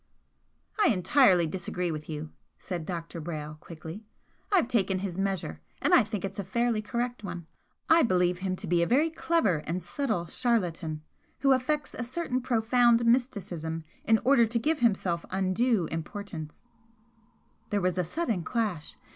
"I entirely disagree with you," said Dr. Brayle, quickly "I've taken his measure, and I think it's a fairly correct one. I believe him to be a very clever and subtle charlatan, who affects a certain profound mysticism in order to give himself undue importance " There was a sudden clash.